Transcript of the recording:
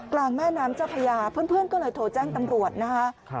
กลางแม่น้ำเจ้าพญาเพื่อนก็เลยโทรแจ้งตำรวจนะคะ